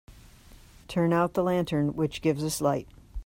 Turn out the lantern which gives us light.